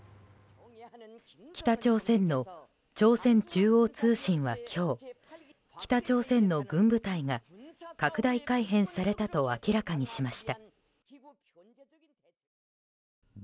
北朝鮮の朝鮮中央通信は今日北朝鮮の軍部隊が拡大改編されたと明らかにしました。